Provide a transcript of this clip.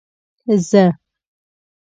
زه.